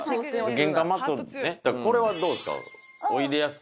これはどうですか？